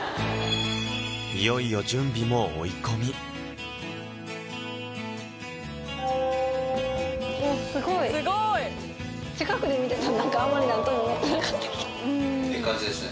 いよいよおすごい近くで見てたら何かあんまり何とも思ってなかったけどええ感じですね